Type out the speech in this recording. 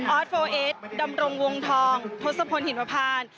อสโฟเอสดำรงวงทองทศพลหินวพาน